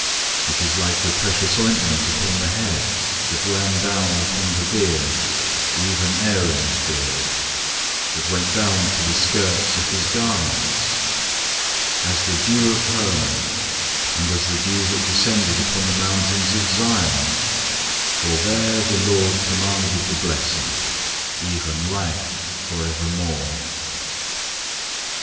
19:133:002 It is like the precious ointment upon the head, that ran down upon the beard, even Aaron's beard: that went down to the skirts of his garments; 19:133:003 As the dew of Hermon, and as the dew that descended upon the mountains of Zion: for there the LORD commanded the blessing, even life for evermore.